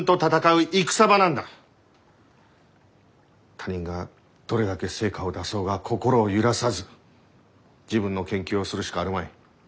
他人がどれだけ成果を出そうが心を揺らさず自分の研究をするしかあるまい。